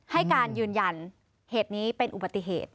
ให้การยืนยันเหตุนี้เป็นอุบัติเหตุ